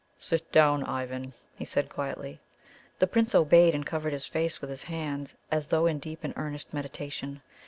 "Sit down, Ivan," he said quietly. The Prince obeyed, and covered his face with his hand as though in deep and earnest meditation.